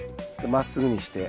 まっすぐに入れて。